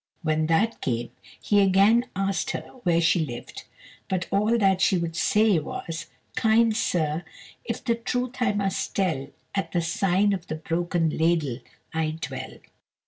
When that came, he again asked her where she lived. But all that she would say was: "Kind sir, if the truth I must tell, At the sign of the 'Broken Ladle' I dwell."